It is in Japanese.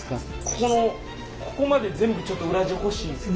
ここのここまで全部ちょっと裏地欲しいんですけど。